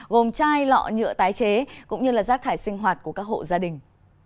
gồm chai lọ nhựa tái chế cũng như là rác thải sinh hoạt của các hộ gia đình